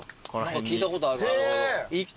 何か聞いたことある。